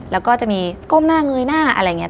แล้วก็จะมีก้มหน้าเงยหน้าอะไรอย่างนี้